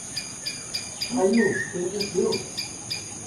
Paio, tens estil!